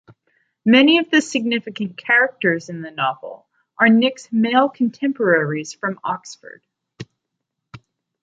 Many of the significant characters in the novel are Nick's male contemporaries from Oxford.